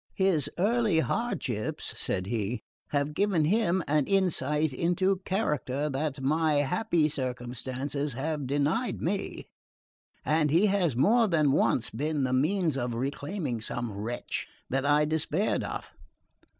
"His early hardships," said he, "have given him an insight into character that my happier circumstances have denied me; and he has more than once been the means of reclaiming some wretch that I despaired of.